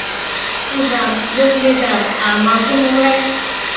— Ужам, йоднеда: а амалже могай?